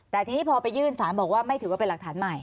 แต่ทีนี้พอไปยื่นสารบอกว่าไม่ถือว่าเป็นหลักฐานใหม่